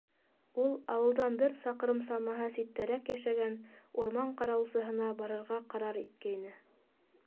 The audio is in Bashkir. Ул ауылдан бер саҡрым самаһы ситтәрәк йәшәгән урман ҡарауылсыһына барырға ҡарар иткәйне.